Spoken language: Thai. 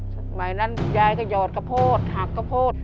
สมัยนั้นยายก็หยอดกระโพดหักกระโพด